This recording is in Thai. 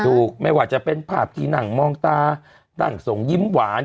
ถูกไม่ว่าจะเป็นผ่าปกิหนังมองตานั่งทรงยิ้มหวาน